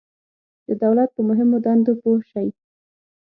د دولت په مهمو دندو پوه شئ.